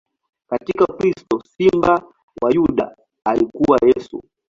Katika ukristo, Simba wa Yuda alikuwa Yesu.